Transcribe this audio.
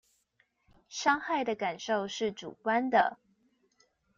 傷害的感受是主觀的